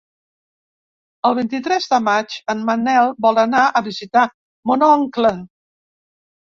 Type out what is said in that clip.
El vint-i-tres de maig en Manel vol anar a visitar mon oncle.